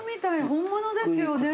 本物ですよね。